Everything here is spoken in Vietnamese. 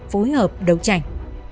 phối hợp đấu tranh